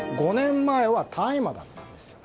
５年前は大麻だったんです。